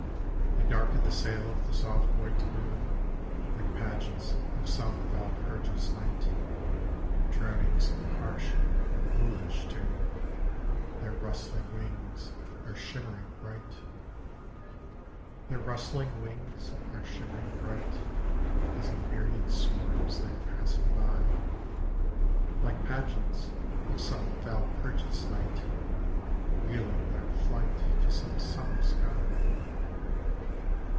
They darken the sail of the soft white moon, Like pageants of some Valpurgis night, Droning come harsh and ghoulish tune, Their rustling wings are shimmering bright. Their rustling wings are shimmering bright As in myriad swarms they are passing by, Like pageants of some Valpurgis night, Wheeling their flight to some summer sky.